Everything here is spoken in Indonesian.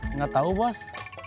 enggak tahu bos